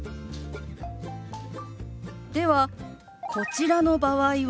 ではこちらの場合は？